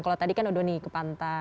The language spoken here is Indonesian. kalau tadi kan udoni ke pantai